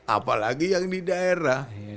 apalagi yang di daerah